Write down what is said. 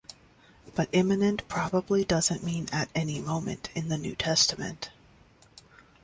But imminent probably doesn't mean 'at any moment' in the New Testament.